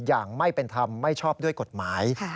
อย่างไม่เป็นธรรมไม่ชอบด้วยกฎหมาย